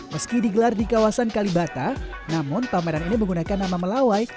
meski digelar di kawasan kalibata namun pameran ini menggunakan nama melawai